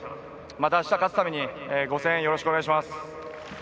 またあした勝つためにご声援、よろしくお願いします。